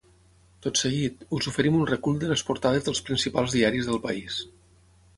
Tot seguit, us oferim un recull de les portades dels principals diaris del país.